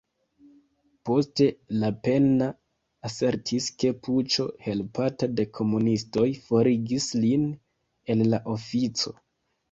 Poste Lapenna asertis ke "puĉo", helpata de komunistoj, forigis lin el la ofico.